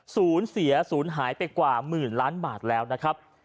ศูนย์เสียศูนย์หายไปกว่าหมื่นล้านบาทแล้วนะครับ